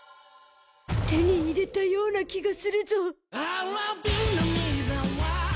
手に入れたような気がするぞ。